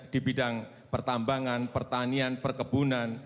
di bidang pertambangan pertanian perkebunan